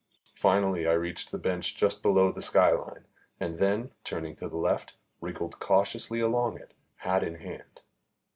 Finally I reached the bench just below the sky line, and then, turning to the left, wriggled cautiously along it, hat in hand.